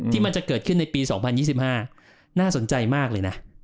มันจะเกิดขึ้นในปี๒๐๒๕น่าสนใจมากเลยนะ